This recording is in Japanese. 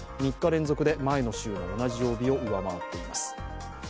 ３日連続で前の週の同じ曜日を上回っています。